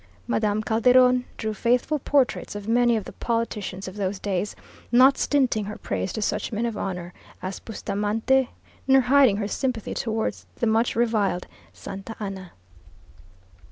Madame Calderon drew faithful portraits of many of the politicians of those days, not stinting her praise to such men of honour as Bustamante, nor hiding her sympathy towards the much reviled Santa Anna.